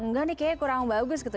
enggak nih kayaknya kurang bagus gitu